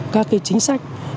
các chính sách